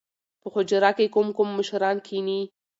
په حجره کښې کوم کوم مشران کښېني؟